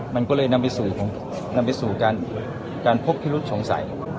มันก็เลยนำไปสู่การพบฮิรุตชงสัย